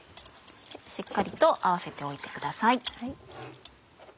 しっかりと合わせておいてください。